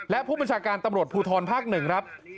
และผู้บัญชาการตำรวจภูทรภาค๑ครับ